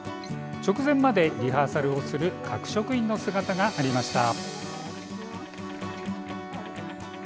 直前までリハーサルをする加久職員の姿がありました。